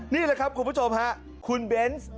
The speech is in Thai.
นี่แหละครับคุณผู้ชมฮะคุณเบนส์